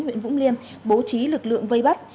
huyện vũng liêm bố trí lực lượng vây bắt